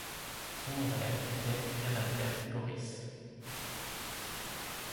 Son nom réel était Jan-Albert Goris.